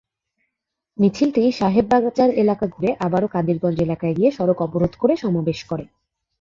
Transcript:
মিছিলটি সাহেববাজার এলাকা ঘুরে আবারো কাদিরগঞ্জ এলাকায় গিয়ে সড়ক অবরোধ করে সমাবেশ করে।